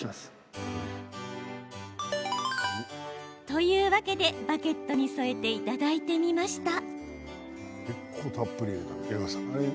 というわけで、バケットに添えていただいてみました。